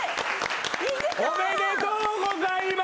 おめでとうございます！